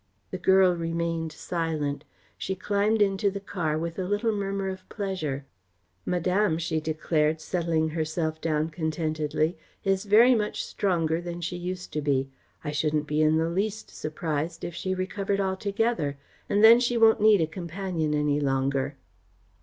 The girl remained silent. She climbed into the car with a little murmur of pleasure. "Madame," she declared, settling herself down contentedly, "is very much stronger than she used to be. I shouldn't be in the least surprised if she recovered altogether, and then she won't need a companion any longer."